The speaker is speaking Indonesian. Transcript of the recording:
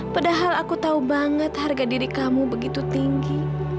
padahal aku tahu banget harga diri kamu begitu tinggi